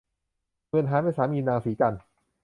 หมื่นหาญเป็นสามีนางสีจันทร์